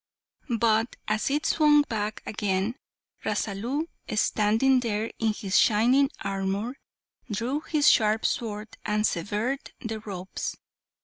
But as it swung back again, Rasalu, standing there in his shining armour, drew his sharp sword and severed the ropes.